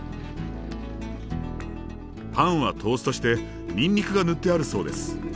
パンはトーストしてにんにくが塗ってあるそうです。